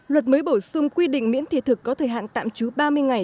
luật mới bổ sung quy định miễn thị thực có thời hạn tạm trú ba mươi ngày